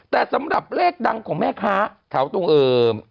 แต่สำหรับเลขดังของแม่ค้าแถวตรงเอ่อ